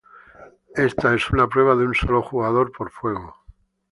Esta es una prueba de un sólo jugador por fuego.